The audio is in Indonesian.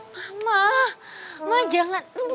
mama ma jangan